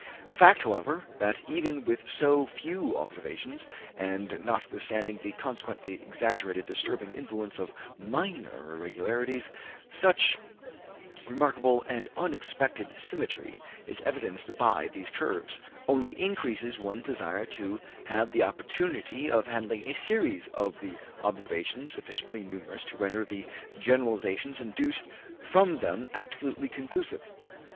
The fact, however, that, even with so few observations, and notwithstanding the consequently exaggerated disturbing influence of minor irregularities, such remarkable and unexpected symmetry is evidenced by these curves, only increases one's desire to have the opportunity of handling a series of observations sufficiently numerous to render the generalizations induced from them absolutely conclusive.